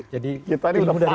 jadi kita ini udah paham